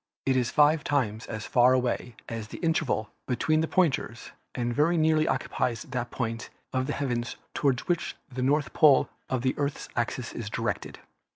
It is five times as far away as the interval between the pointers and very nearly occupies that point of the heavens toward which the north pole of the Earth's axis is directed.